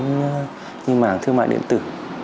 như mảng thương mại điện tử